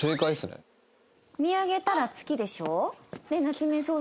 見上げたら月でしょ？